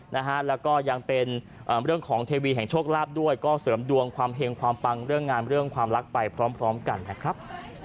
นะฮะแล้วก็ยังเป็นเรื่องของเทวีแห่งโชคลาภด้วยก็เสริมดวงความเห็งความปังเรื่องงานเรื่องความรักไปพร้อมพร้อมกันนะครับ